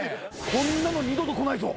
こんなの二度とこないぞ。